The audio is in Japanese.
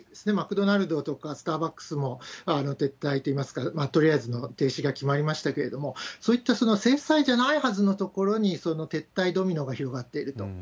あるいは小売ですね、マクドナルドとかスターバックスも撤退といいますか、とりあえずの停止が決まりましたけれども、そういったその制裁じゃないはずのところに、その撤退ドミノが広がっていると。